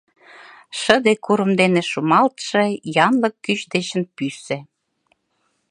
Шыде, курым дене шумалтше, янлык кӱч дечын пӱсӧ.